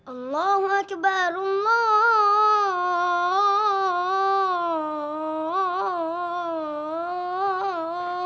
ya allah aku berdoa kepada tuhan